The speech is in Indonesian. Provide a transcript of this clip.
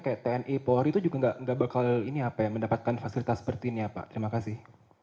seperti tni polri itu juga tidak akan mendapatkan fasilitas seperti ini pak terima kasih